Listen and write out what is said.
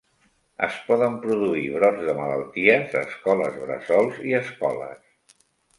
Es poden produir brots de malalties a escoles bressols i escoles.